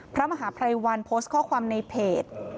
พระมหาภัยวันโพสต์ข้อความในเพจ